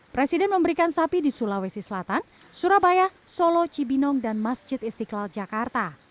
presiden memberikan sapi di sulawesi selatan surabaya solo cibinong dan masjid istiqlal jakarta